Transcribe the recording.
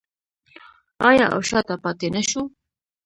آیا او شاته پاتې نشو؟